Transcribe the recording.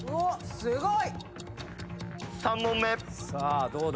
すごい。